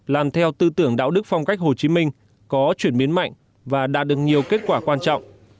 làm theo tư tưởng đạo đức phong cách hồ chí minh có chuyển biến mạnh và đạt được nhiều kết quả quan trọng